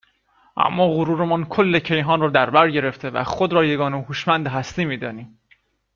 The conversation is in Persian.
اما غرورمان کل کیهان را در برگرفته و خود را یگانه هوشمند هستی میدانیم